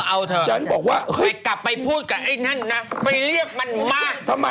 เอาเถอะไปกลับไปพูดกับไอ้นั่นนะไปเรียกมันมากทำไม